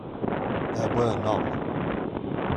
There were none.